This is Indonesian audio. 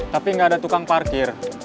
tapi nggak ada tukang parkir